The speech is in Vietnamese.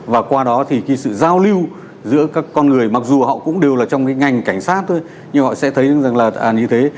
và qua đó thì cái sự giao lưu giữa các con người mặc dù họ cũng đều là trong cái ngành cảnh sát thôi nhưng họ sẽ thấy rằng là như thế